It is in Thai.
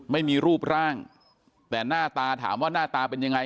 ไม่มีรูปร่างแต่หน้าตาถามว่าหน้าตาเป็นยังไง